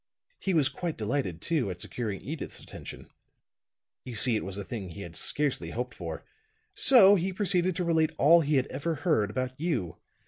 He was quite delighted, too, at securing Edyth's attention. You see, it was a thing he had scarcely hoped for. So he proceeded to relate all he had ever heard about you.